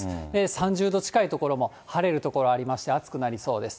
３０度近い所も、晴れる所ありまして、暑くなりそうです。